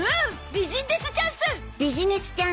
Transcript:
ビジネスチャンスよ